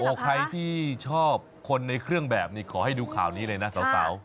ใครที่ชอบคนในเครื่องแบบนี้ขอให้ดูข่าวนี้เลยนะสาว